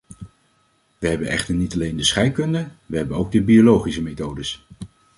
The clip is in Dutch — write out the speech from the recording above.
We hebben echter niet alleen de scheikunde, we hebben ook de biologische methodes.